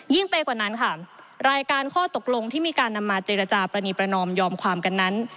ไปกว่านั้นค่ะรายการข้อตกลงที่มีการนำมาเจรจาปรณีประนอมยอมความกันนั้น